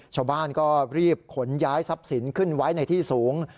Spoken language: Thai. ชาวบ้านก็รีบขนย้ายทรัพย์สินขึ้นไว้ในที่สูง